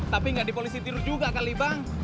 tapi nggak di polisi tiru juga kali bang